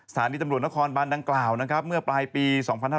สถานีตำรวจนครบันดังกล่าวนะครับเมื่อปลายปี๒๕๕๙